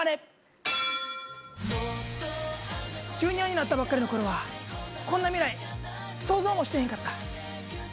Ｊｒ．になったばっかりのころはこんな未来想像もしてへんかった。